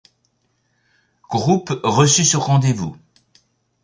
Groupes reçus sur rendez-vous.